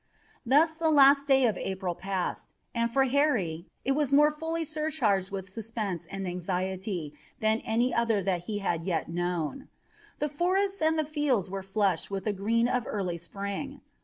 Thus the last day of April passed, and for Harry it was more fully surcharged with suspense and anxiety than any other that he had yet known. The forests and the fields were flush with the green of early spring.